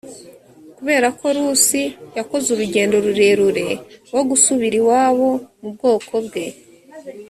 kubera ko rusi yakoze urugendo rurerure rwo gusubira iwabo mu bwoko bwe